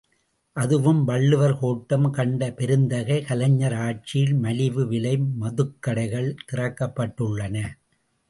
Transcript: அதுவும் வள்ளுவர் கோட்டம் கண்ட பெருந்தகை கலைஞர் ஆட்சியில் மலிவு விலை மதுக்கடைகள் திறக்கப்பட்டுள்ளன.